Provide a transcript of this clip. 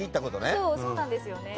そうなんですよね。